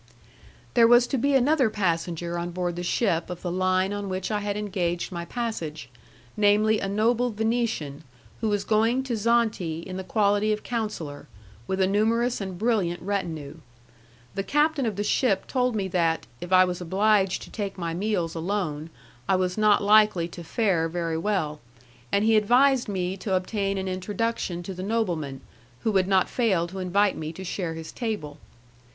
There was to be another passenger on board the ship of the line on which I had engaged my passage, namely, a noble Venetian, who was going to Zante in the quality of counsellor, with a numerous and brilliant retinue. The captain of the ship told me that, if I was obliged to take my meals alone, I was not likely to fare very well, and he advised me to obtain an introduction to the nobleman, who would not fail to invite me to share his table.